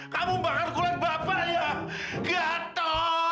kamu bakal kulit bapak ya